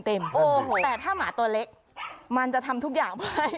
แต่ถ้าหมาตัวเล็กมันจะทำทุกอย่างไป